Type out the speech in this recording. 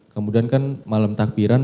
kemudian kan malam takbiran